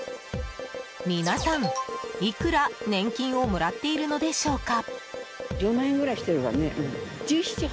皆さん、いくら年金をもらっているのでしょうか。